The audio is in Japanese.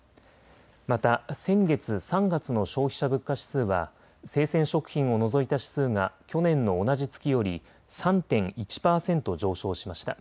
また先月３月の消費者物価指数は生鮮食品を除いた指数が去年の同じ月より３．１％上昇しました。